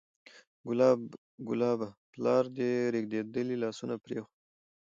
کلابه! پلار دې رېږدېدلي لاسونه پرېښود